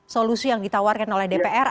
solusi yang ditawarkan oleh dpr